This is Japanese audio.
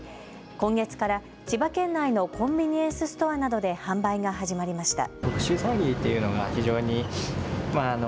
今月から千葉県内のコンビニエンストアなどで販売が始まりました。